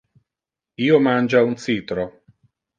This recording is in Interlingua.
Io mangia un citro.